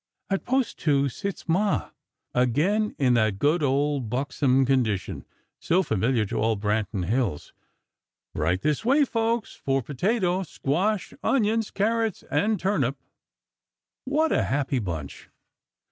At Post Two sits "Ma;" again in that good old buxom condition, so familiar to all Branton Hills: "Right this way, folks, for potato, squash, onions, carrots and turnip!!" What a happy bunch!